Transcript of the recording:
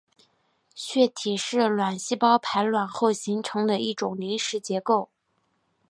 血体是卵泡排卵后形成的一种临时结构。